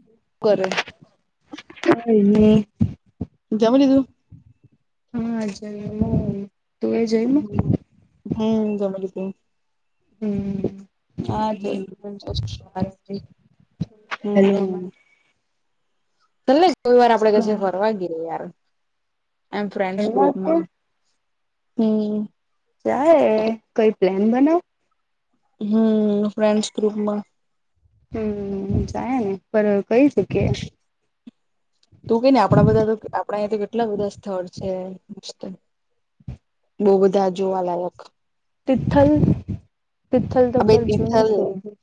હમ કરે કઈ નહી જમી લીધું હા જમીયું તમે હમ જમીયું હમ જમી લીધૂ હમ હમ હમ [unintelligible] ચલ ને રવીવાર આપડે કશે ફરવા ગયે યાર એમ ફ્રેન્ડસ ફરવા કે ગ્રુપમાં હમ ચાલે કઈ પ્લાન બનાવ હમ ફ્રેન્ડ્સ ગ્રુપમાં હમ જાય ને પર કઈ શકી તું કેને આપણા બધા તો આપડા અહીંયા તો કેટલા બધા સ્થળ છે. બહુ બધા જોવાલાયક તિથલ તિથલ તો આ બે પર જોયું તિથલ છે.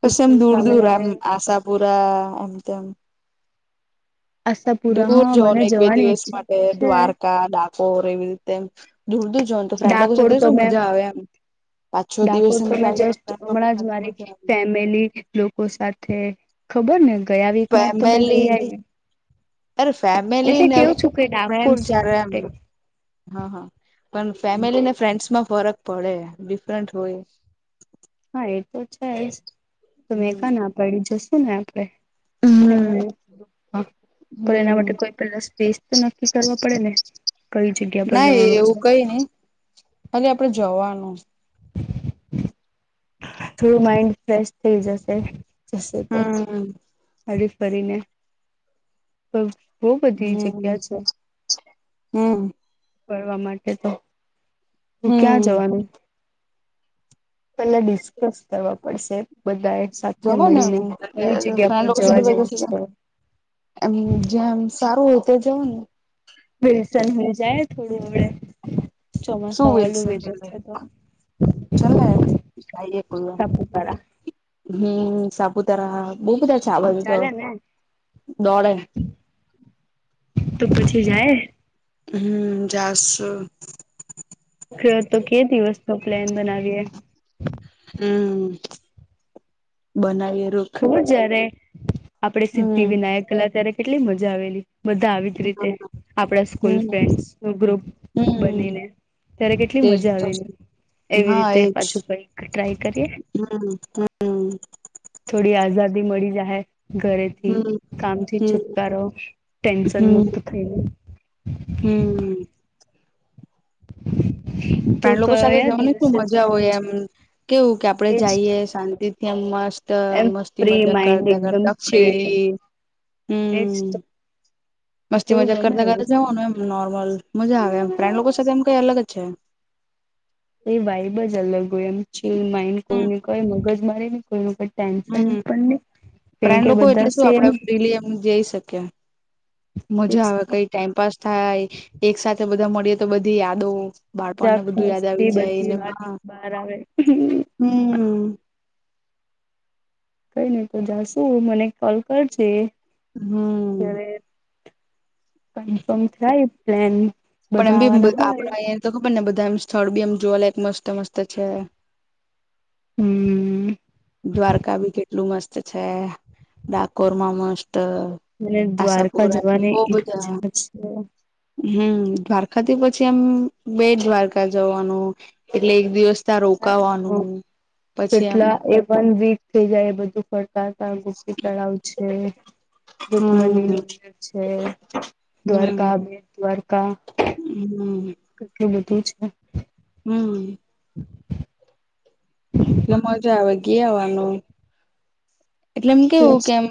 પછી એમ દૂર દૂર આમ સ્વામિનારાયણ આશાપુરા એમ તેમ આશાપુરા દૂર હા મને જવને એક બે જવાની દિવસ ઈચ્છા તો માટે છે દ્વારકા ડાકોર ડાકોર એવી રીતેમ દૂર દૂર જવાનું તો ફ્રેન્ડ ડાકોર સાથે તો શું મેં મજા આવે એમ પાંચ છ દિવસ ડાકોર તો ની મે જાય જસ્ટ કઈ હમણાં જ પણ મજા આવી. મારી લોકો સાથે ખબર ને ગયા વીકમાં તો મેં ફેમિલી ગઈ અરે ફેમિલી એટલે ને કેવું છું કે ડાકોર ફ્રેન્ડ જવા એમ માટે હ હ પણ ફેમિલી ને ફ્રેન્ડસ માં ફરક પડે ડિફરન્ટ હોય હા એ તો છે જ તો મે કઈ હમ. ના પાડી જોશું ને આપડે હમ હા પણ એના માટે કોઈ પેલા સ્પ્લેસ તો નક્કી કરવા પડે ને કઈ જગ્યા પર જવાનું છે. અરે આપડે જવાનું થોડું માઈન્ડ ફ્રેશ થઈ જશે જશે તો હમ. હરી ફરીને બહુ બધી હમ જગ્યા છે. હમ ફરવા માટે તો તું ક્યાં હમ જવાનું પેલા ડિસ્કસ કરવા પડશે બધા સાથે જવો ને મળીને કઈ જગ્યા ફ્રેન્ડ પર લોકો જવા સાથે જેવું છે. બધા એમ જે્યામ સારું હોય તે જવું ને બેસન જાય થોડું હડ શું ચોમાસા વાળું વિલ્સન વેધર છે, તો ચલ ને જાયએ સાપુતારા હમ સાપૂ તાર બહુ બધા ચાવ તો ચાલે ને દોડે તો પછી બ જાય હમ જાસુ તો કે દિવસ નો પ્લેન બનાવીએ હમ બનાવી રુ ખબર જયારે આપડે સિદ્ધિ હમ વિનાયક ગેલા ત્યારે કેટલી મજા આવેલી બધા આવી જ રીતે આપણા સ્કૂલ હમ ફ્રેન્ડ ન ગ્રુપ હમ બનીને ત્યારે કેટલી તેજ મજા તો છે આવેલી એવી રીતે પાછું કઈક ટ્રાય કરીએ હમ્મ થોડી આઝાદી મળી જાહે ઘરેથી હમ કામથી હમ છુપકારો ટેન્શન મુક્ત થઈ હ તો ફ્રેન્ડ લોકો સાથે કયા જવાની શું દિવસે મજા જવાનું હોય, છે એમ કેવું કે આપડે એજ તો જઈએ શાંતિ થી એમ મસ્ત ત એમ મસ્તી ફ્રી મજ્જા કરતા કરતા ફ્રીલી એ જ હમ મસ્તી મજા કરતા કરતા જવાનું એમ નોર્મલ મજા આવે એમ ફેન્ડ લોકો સાથે એમ કઈ અલગ જ છે. એ વાઈબ જ અલગ હોય એમ છે, માઇન હમ કોઈને કય મગજ મારે કોઈ ક હમ ફેન્ડ લોકો બધા એટલે શું સેમ આપડે ફ્રીલી એમ જઈ શકીએ. એજ મજા આવે તો કઈ ટાઈમપાસ થાય, એક સાથે બધા મળીએ તો બધી યાદો બાળપણને મજાક બધું યાદ મસ્તી આવી બધી જાયને હ વાત બહાર આવે હમ્મ કઈ નહી તો જાશું મને કોલ કરજે હમ્મ જ્યારે કન્ફર્મ થાય પ્લાન પણ એમ બી આપડે અયા તો ખબરને બધા એમ સ્થળ બી એમ જોવા લય મસ્ત મસ્ત છે. હમ્મ દ્વારકા બી કેટલું મસ્ત છે. ડાકોરમાં મસ્ટ મને દ્વારકા જવાની ઈચ્છા છે. હમ દ્વારકા થી પછી એમ બે દ્વારકા જવાનુ એટલે એક દિવસ ત્યાં રોકાવાનું છે. પછી એમ કેટલા એ વન વીક થઈ જાય એ બધું ફરતા હતા ગુી તળાવ છે, ગોટમનીર હમ છે, હમ દ્વારકા બે દ્વારકા હમ કેટલું બધુ છે. હમ્મ એટલે મજા આવે ગયા આવવાનુ એટલે એમ કેવુ કેમ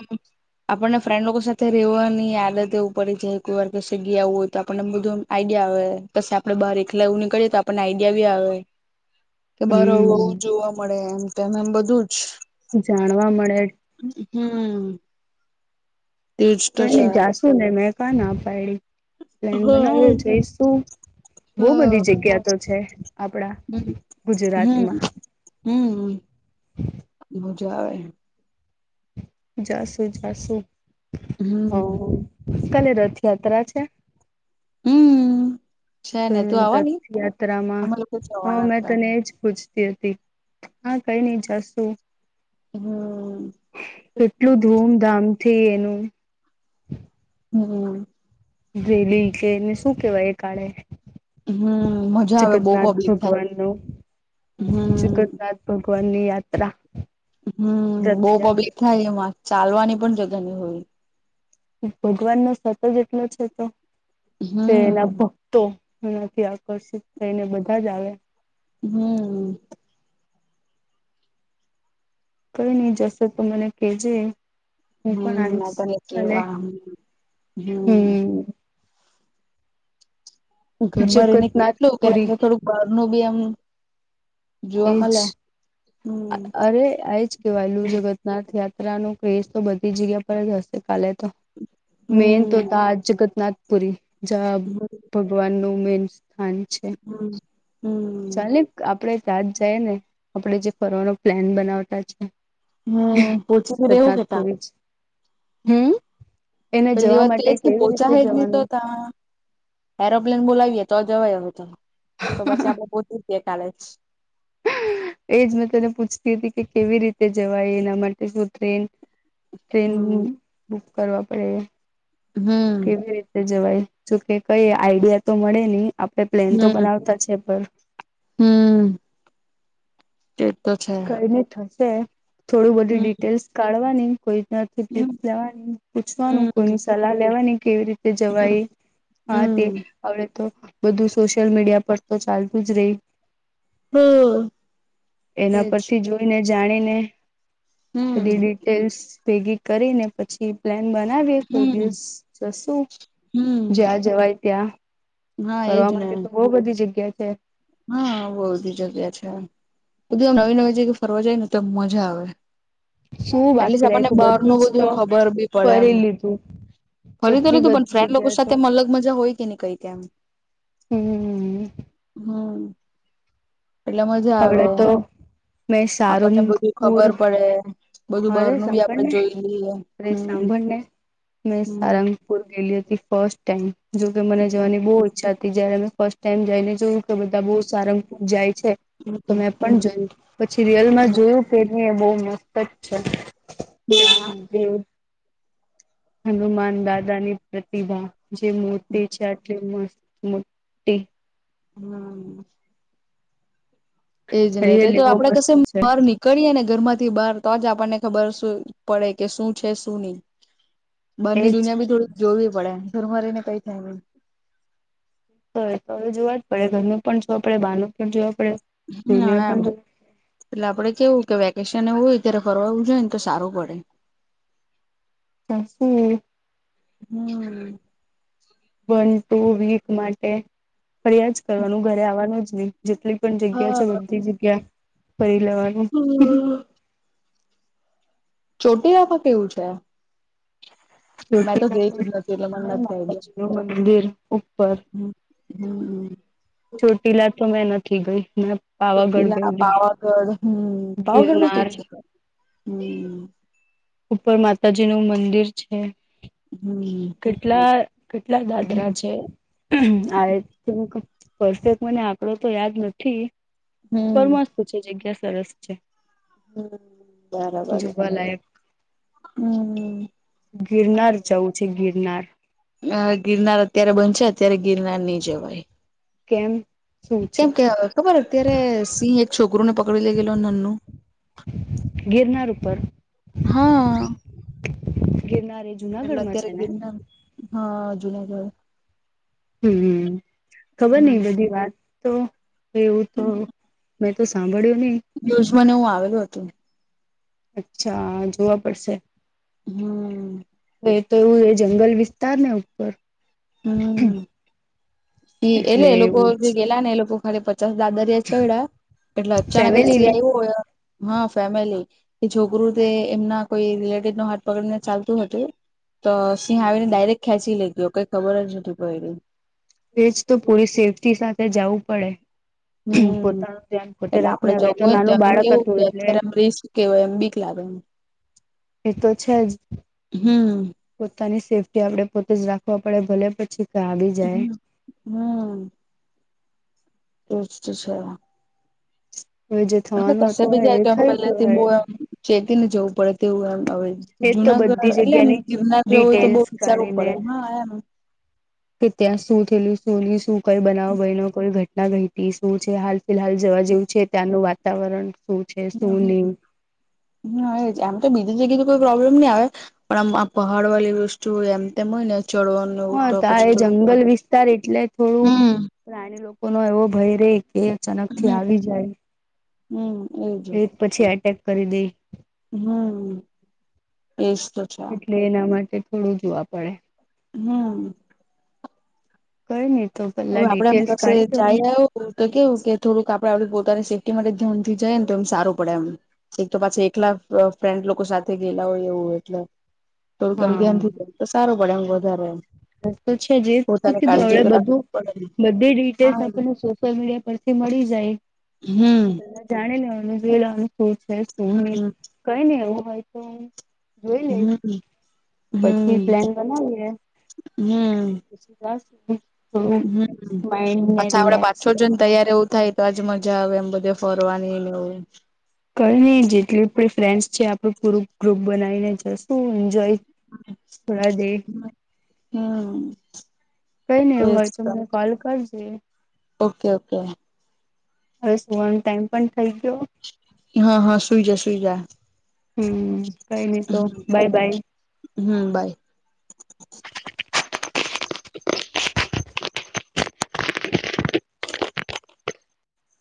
આપણને ફ્રેન્ડ લોકો સાથે રહેવાની આદત એવું પડે છે, કોઈ વાર કે સગી આવું હોય તો આપણને બધું આઈડિયા આવે પી આપડે બહાર એકલા એવુની કરીએ, તો આપણને આઈડિયા બી આવે કે બાર આવુ હમ જોવા મળે એમ તેમ એમ બધુજ જાણવા મળે હમ્મ તો એ જાશુ ને મે કાન પડી પ્લેન હા એ બનાવો જઈશુ બઉુ બધી જગ્યા તો છે. આપડા ગુજરાતમાં હમ-હમ-હમ મજા આવે. જાશું જાશું હમ હ કાલે રથયાત્રા છે. હમ છે ને હમ તું આવવાની રથયાત્રામાં અમે લોકો હ જવાના મેં હતા તને એજ પૂછતી હતી. હા કઈ નઈ જાસુ. હમ [unintelligible] થી એનું હમ વેલી કેને શું, કેવાય એ કાળે હમ મજા આવે બહુ જગતનાથ પબ્લિક થાય ભગવાન નો હમ જગતનાથ ભગવાનની યાત્રા. હમ્મ બહું પબ્લિક રથયાત્રા હોય એમાં ચાલવાની પણ જગા ની હોય. ભગવાન નો સતજ એટલો છે, તો કે એના ભ હમ કતો એનાથી આકર્ષિત થઈને બધા જ આવે. હમ્મ કઈ નહી જશો તો મને કેજે. હું પણ હમ આવી ના તને કલે કેવા હમ. ઘર માં રહીને જગન્નાથ કેટલું કે પુરી થોડુંક બાર નું બી એમ જોવા એજ મળે હમ અરે આજ કે વાલુ જગન્નાથ યાત્રા નું ક્રેઝ તો બધી જગ્યા પર જ હશે કાલે તો. મેન તો હમ તા જગતનાથપુરી. જ્યા હમ ભગવાન નું મેન સ્થાન છે. હમ્મ ચાલની આપડે ત્યાં જ જઈ ને આપણેે જે ફરવાનો પ્લાન બનાવતા છે. હમ્મ પોચી બી રેવું કેતા. જગન્નાથપુરી જ હમ એને પેલી જવા વાત તો માટે એ જ કે કેવી પોચા રીતે હ જ ની જવાનું તોતા. એરોપ્લેન બોલાવીયે તો જવાય હવે તો તો પછી આપડે પોચી જીએ કાલે જ. એજ મેં તને પૂછતી હતી કે કેવી રીતે જવાય એના માટે શું ટ્રેન ટ્રેનની હમ બુક કરવા પડે હમ કેવી રિતે ત જવાય જોકે કઈ આઈડિયા તો મળે નહી આપણે પ્લેન તો બનાવતા છે પણ. હમ્મ. તેજ તો છે. કઈને થશે થોડું બધું હમ ડિટેલ્સ કાઢવાની [unintelligible] હમ ટિકિટ લેવાની પૂછવાનું હમ કોઈની સલાહ લેવાની કેવી રીતે હમ જવાય. હા તે હમ હવે તો બધું સોશિયલ મીડિયા પર તો ચાલતું જ રેય. હમ્મ. એના પરથી જોઈને જાણીને બધી હમ ડિટેલ્સ ભેગી કરીને પછી પ્લેન બનાવીએ થોડી હમ દિવસ જશું હમ જ્યાં જવાય ત્યાં. હા ફરવા એજ ને માટે તો બઉુ બધી જગ્યા છે. હા બહું બધી જગ્યા છે. બધી આમ નવી નવી જગ્યા ફરવા જાય ને તો મજા આવે. શું એટલીસ્ટ બાકી આપણને રાખ્યું બાર નું જ તો બધું ખબર બી પડે એમ. ફરી લીધું ફરી તો કેટલી લીધું પણ બધી ફ્રેન્ડ લોકો જગ્યા તો સાથેમા અલગ મજા હોય કે નહીં કઈ એમ. હમ્મ. હમ્મ. એટલે મજા આવે હવે તો મેં આપણને બધું સારંગપુર ખબર પડે. બધું અરે બહાર નું બી આપડે સાંભળને જોઈ લઈએ અરે હમ્મ [unintelligible] ગેલી હતી ફર્સ્ટ ટાઈમ જોકે મને જવાની બહુ ઈચ્છા હતી જયારે મે ફર્સ્ટ ટાઈમ જઈને જોયુ તો બધા બહુ હમ સારંગપુર જાય છે, તો હમ મેં પણ હમ જોયું. પછી રિયલમાં જોયું કે નહી એ બહું મસ્ત જ છે હા હમ એવું હનુમાન દાદાની પ્રતિભા જે મૂર્તિ છે, આટલી મસ્ત. [inaudible] હમ એ જ નહી, એટલે તો રિયલી બહુ આપડે મસ્ત કશે છે માર [unintelligible] કરીએ ને ઘર માંથી બહાર તો જ આપણને ખબર પડે કે શું છે શું નહીં. બંની એજ દુનિયા ભી થોડીક જોવી પડે ઘરમારીને કઈ થાય નહી [unintelligible] જો આપડે હમ એમ એટલે આપડે કેવું કે વેકેશન એવુંય અત્યારે ફરવાવું જોઈ ને તો સારું પડે [unintelligible] હમ્મ વન ટુ વીક માટે ફરિયાજ કરવાનું ઘરે આવવાનું જ નહી જેટલી પણ જગ્યા હા છે બધી જગ્યા ફરી લેવાની [unintelligible] ચોટી [unintelligible] કેવું છે મેં તો ચોટીલા ગઈ જ નથી એટલે મને પણ નથી માતાજી નું મંદિર ઉપર આઈડયા [unintelligible] ચોટીલા તો મેં નથી ગઈ મે ચોંટીલા પાવાગઢ હમ્મ પાવાગઢમાં ગિરનાર માં કેવું છે ઉપર માતાજી નું મંદિર છે હમ્મ કેટલા કેટલા દાદરા છે આયથિંક પરફેક્ટ મને આંકડો તો યાદ નથી હમ. ફમાસ્તુ છે જગ્યા સરસ છે હમ્મ બરાબર છે જોવાલાયક હમ્મ ગિરનાર જવું છે ગિરનાર અ ગિરનાર અત્યારે બન છે અત્યારે ગિરનાર નઈ જવાય કેમ શું છે કેમ કેવા ખબર અત્યારે સિંહ એક છોકરીુ ને પકડી લઈ ગેલો નનનું ગિરનાર ઉપર હા ગિરનારે એટલે અત્યારે ગેરના હા જુનાગઢ હમ્મ ખબર નય બધી વાત તો એવું તો મેં તો સાંભળ્યું નહી ન્યુઝ માં ને હું આવેલું હતું અચ્છા જોવા પડશે હમ્મ એ તો એવું એ જંગલ વિસ્તાર ને ઉપર [unintelligible] એટલે એવું ખાલી પચાસ દાદરિયા ચડ્યા એટલે અચાનક જ ફેમિલી વે સિયાય હોય હા ફેમિલી એ છોકરું તે એમના કોઈ રિલેટિવ નો હાથ પકડીને ચાલતું હતું તો સિંહ આવીને ડાયરેક્ટ ખેંચી લઈ ગયો કઈ ખબર જ નથી પડ્યું એજ તો પૂરી સેફ્ટી સાથે જવું પડે હમ્મ પોતાનું ધ્યાન પોતે એટલે આપડે રાખીને આવે જવું તો નાનું બાળક હતું એટલે કેવય એમ બીક લાગે એમ એ તો છે જ હમ્મ પોતાની સેફ્ટી આપડે પોતે જ રાખવા પડે ભલે પછી આવી જાય હમ્મ હમ્મ [unintelligible] હવે જે અને થવાનું કશે હતું બી જાય હોય એ તો એમ થઈ પેલે ગયું થી હવે બહુ એમ ચેતીને જવું પડે તેવું એમ હવે એજ તો જુનાગઢ બધી એટલે એમ જગ્યાની ગીરનાર જવુ હોય તો બવ ડિટેલ્સ વિચારવું કાઢીને પડે હા એમ કે ત્યાં શું થયેલું શું શું કઈ બનાવ બયનો કોઈ ઘટના ઘટી શું છે હાલ ફિલહાલ જવા જેવું છે ત્યાંનું વાતાવરણ શું છે શું નહી હમ હા જ એમ તો બીજી જગ્યાથી કોઈ પ્રોબ્લેમ નહી આવે પણ આમ આ પહાડ વાલી વસ્તુ એમ તેમ હોય ને ચડવાનું એવું હા તો આ પછી એ ચડવું પડે જંગલ વિસ્તાર એટલે થોડું હમ્મ પ્રાણી લોકો નો એવો ભય રે કે અચાનક થી હમ્મ આવી જાય હમ એવુ પછી એટેક કરી દઈ હમ એસ તો છે એટલે એના માટે થોડું જોવા પડે હમ કહી [inaudible] હવે આપડે એમપસી જાય ને આવ તો કેવું કે થોડુંક આપડે આપ પોતાની સેફ્ટી માટે ધ્યાનથી જઈએ ને તો એમ સારું પડે એમ એક તો પાછી એકલા અ ફ્રેન્ડ લોકો સાથે ગયેલા હોય એવું એટલે થોડુંક એમ ધ્યાન હા થી [inaudible] તો સારું પડે એમ વધારે એમ તો છે જે પોતાની કીધું કાળજી હવે તો રાખવી બધું પડે ને. બધી ડિટેલ્સ હા આપને સોશિયલ મીડિયા પરથી મળી જાય હમ જાણી લેવાનું જોઈ લેવાનું શું છે શું નઈ હમ કઈ નઈ એવું હોય તો જોઈ લઈ હમ પછી હમ પ્લાન બનાવીએ હમ [inaudible] હમ માઇન્ડને અ્છા આપડે રિલેક્સ પાછ જન કરવા તૈયાર માટે એવું થાય તોજ મજા આવે એમ બધે ફરવાનીને એવું કઈ નહી જેટલી ફ્રેન્ડ્સ છે આપણું પૂરું ગ્રુપ બનાવીને જશું એન્જોય થોડા દે હમ કઈ નઈ એવું હોય તો મને કોલ કરજે ઓકે ઓકે હવે સુવાનો ટાઈમ પણ થઇ ગયો હ હ સુઈ જા સુઈ જા હમ બાય મિત્રો બાય બાય હમ બાય [inaudible]